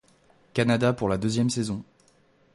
Canada pour la deuxième saison.